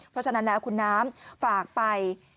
เพราะฉะนั้นแล้วคุณน้ำฝากไป